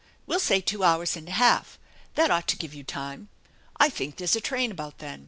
We'll say two hours and a 1 alf . That ought to give you time. I think there's a train about then.